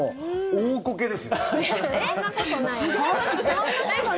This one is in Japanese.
大こけです。